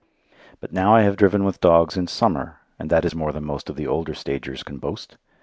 But now I have driven with dogs in summer, and that is more than most of the older stagers can boast.